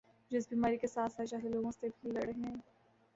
جو اس بیماری کے ساتھ ساتھ جاہل لوگوں سے بھی لڑ رہے ہیں